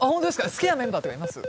好きなメンバーとかいます？